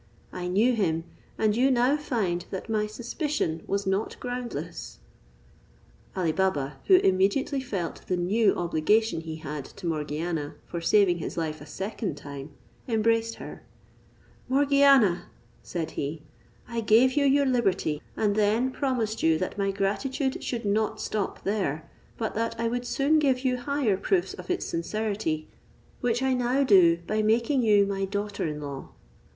I knew him, and you now find that my suspicion was not groundless." Ali Baba, who immediately felt the new obligation he had to Morgiana for saving his life a second time, embraced her: "Morgiana," said he, "I gave you your liberty, and then promised you that my gratitude should not stop there, but that I would soon give you higher proofs of its sincerity, which I now do by making you my daughter in law."